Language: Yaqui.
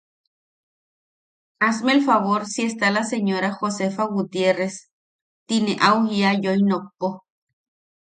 Hazme el favor si está la señora Josefa Gutierrez ti ne au jia yoi nokpo.